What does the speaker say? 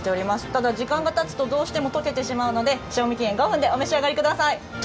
ただ時間がたつと、どうしても溶けてしまうので、賞味期限５分でお召し上がりください。